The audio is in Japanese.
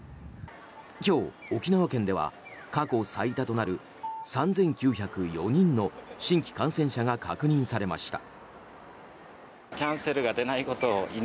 今日、沖縄県では過去最多となる３９０４人の新規感染者が確認されました。